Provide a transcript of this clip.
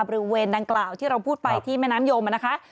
บริเวณดังกล่าวที่เราพูดไปที่แม่น้ำยมนะคะ